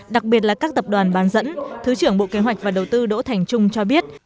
đặc biệt là các tập đoàn bán dẫn thứ trưởng bộ kế hoạch và đầu tư đỗ thành trung cho biết